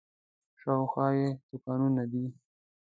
شاوخوا یې دوکانونه دي.